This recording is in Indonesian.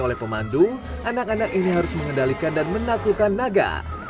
oleh pemandu anak anak ini harus mengendalikan dan menaklukkan naga